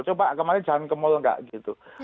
coba kemana jalan ke mal enggak gitu